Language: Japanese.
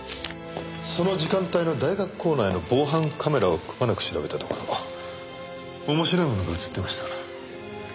その時間帯の大学構内の防犯カメラをくまなく調べたところ面白いものが映ってました。